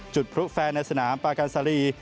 จุดพลุแฟนในสนามปาการซารี